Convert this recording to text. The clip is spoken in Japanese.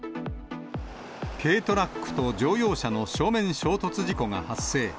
軽トラックと乗用車の正面衝突事故が発生。